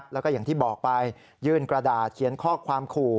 แล้วก็อย่างที่บอกไปยื่นกระดาษเขียนข้อความขู่